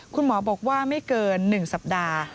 คุณหมอบอกว่าไม่เกิน๑สัปดาห์